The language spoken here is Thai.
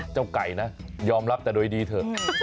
ไก่นะยอมรับแต่โดยดีเถอะ